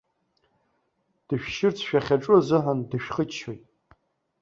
Дышәшьырц шәахьаҿу азыҳәан дышәхыччоит.